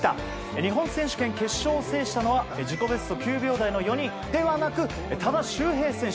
日本選手権決勝を制したのは自己ベスト９秒台の４人ではなく多田修平選手。